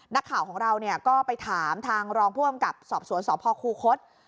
นักข่าวของเราก็ไปถามทางรองผู้อำกับสอบสวนสพคูคศ